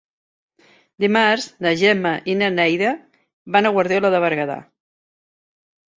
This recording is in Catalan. Dimarts na Gemma i na Neida van a Guardiola de Berguedà.